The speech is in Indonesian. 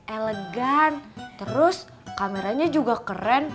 elegan terus kameranya juga keren